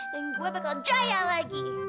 dan gue bakal jaya lagi